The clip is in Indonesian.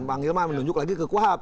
manggil menunjuk lagi ke kuhp